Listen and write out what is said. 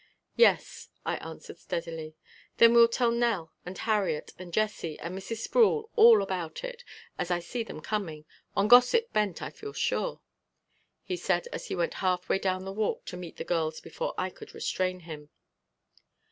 "Yes," I answered steadily. "Then we'll tell Nell and Harriet and Jessie and Mrs. Sproul all about it, as I see them coming, on gossip bent I feel sure," he said as he went halfway down the walk to meet the girls before I could restrain him.